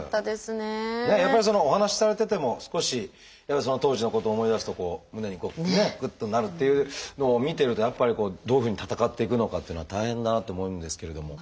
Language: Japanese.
やっぱりお話しされてても少しその当時のことを思い出すと胸にこうねグッとなるっていうのを見てるとやっぱりどういうふうに闘っていくのかっていうのは大変だなって思うんですけれども。